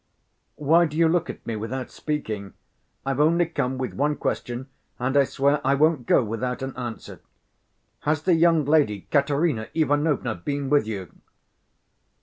"Why do you look at me without speaking? I've only come with one question, and I swear I won't go without an answer. Has the young lady, Katerina Ivanovna, been with you?"